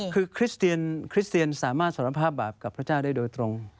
คือคริสเตียนสามารถสารภาพบาปกับพระเจ้าได้โดยตรง